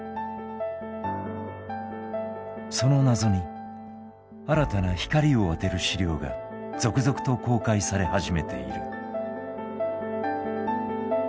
その謎に新たな光を当てる史料が続々と公開され始めている。